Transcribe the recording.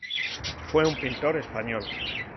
Fue un Pintor español.